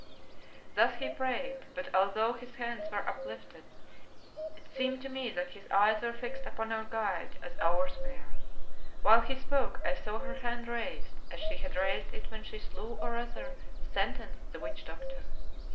Thus he prayed, but although his hands were uplifted, it seemed to me that his eyes were fixed upon our guide, as ours were. While he spoke, I saw her hand raised, as she had raised it when she slew or rather sentenced the witch doctor.